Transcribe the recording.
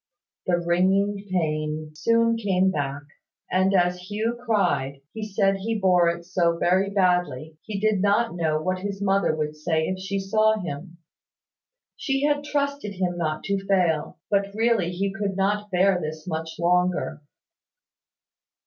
The wringing pain soon came back; and as Hugh cried, he said he bore it so very badly, he did not know what his mother would say if she saw him. She had trusted him not to fail; but really he could not bear this much longer.